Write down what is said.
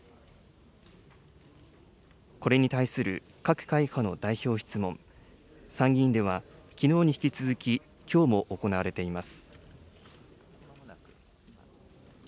これに対する各会派の代表質問、参議院ではきのうに引き続ききょうも行われています。